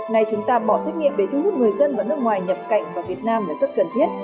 nay chúng ta bỏ xét nghiệm để thu hút người dân và nước ngoài nhập cảnh vào việt nam là rất cần thiết